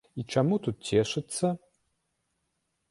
І чаму тут цешыцца?